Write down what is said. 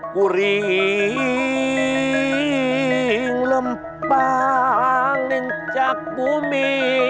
kuring lempang lincak bumi